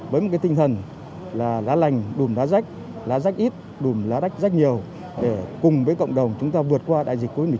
với một cái tinh thần là lá lành đùm lá rách lá rách ít đùm lá rách rất nhiều để cùng với cộng đồng chúng ta vượt qua đại dịch covid một mươi chín